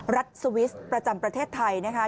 สวิสประจำประเทศไทยนะคะ